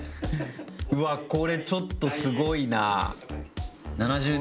うわっこれちょっとすごいな。